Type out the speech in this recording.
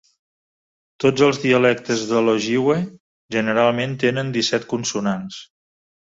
Tots els dialectes de l'ojibwe generalment tenen disset consonants.